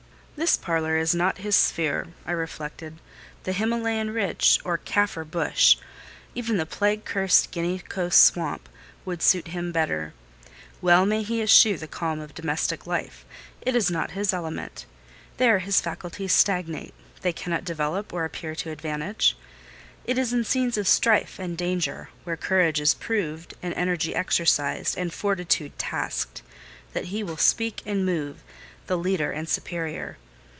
"This parlour is not his sphere," I reflected: "the Himalayan ridge or Caffre bush, even the plague cursed Guinea Coast swamp would suit him better. Well may he eschew the calm of domestic life; it is not his element: there his faculties stagnate—they cannot develop or appear to advantage. It is in scenes of strife and danger—where courage is proved, and energy exercised, and fortitude tasked—that he will speak and move, the leader and superior.